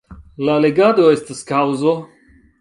La legado estas kaŭzo.